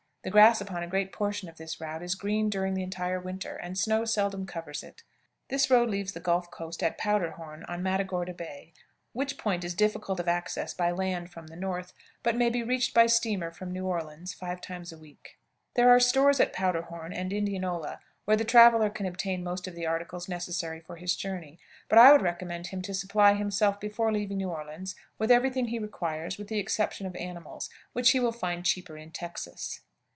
The grass upon a great portion of this route is green during the entire winter, and snow seldom covers it. This road leaves the Gulf coast at Powder horn, on Matagorda Bay, which point is difficult of access by land from the north, but may be reached by steamers from New Orleans five times a week. There are stores at Powder horn and Indianola where the traveler can obtain most of the articles necessary for his journey, but I would recommend him to supply himself before leaving New Orleans with every thing he requires with the exception of animals, which he will find cheaper in Texas.